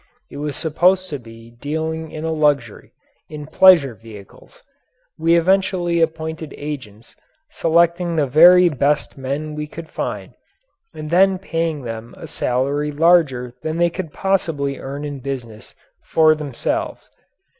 It was supposed to be dealing in a luxury in pleasure vehicles. We eventually appointed agents, selecting the very best men we could find, and then paying to them a salary larger than they could possibly earn in business for themselves.